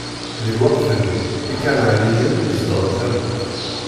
Di lweqt-nni, d Ikanɛaniyen i yezedɣen tamurt.